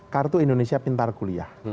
kartu indonesia pintar kuliah